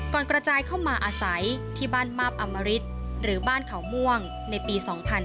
กระจายเข้ามาอาศัยที่บ้านมาบอมริตหรือบ้านเขาม่วงในปี๒๕๕๙